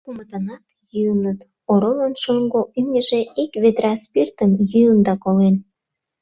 Кумытынат йӱыныт — оролын шоҥго имньыже ик ведра спиртым йӱын да колен.